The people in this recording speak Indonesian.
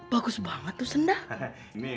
bagus banget tuh sendalanya